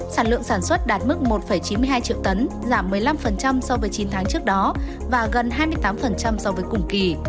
sản lượng sản xuất đạt mức một chín mươi hai triệu tấn giảm một mươi năm so với chín tháng trước đó và gần hai mươi tám so với cùng kỳ